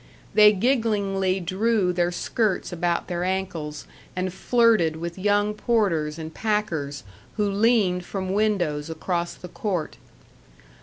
They gigglingly drew their skirts about their ankles and flirted with young porters and packers who leaned from windows across the court.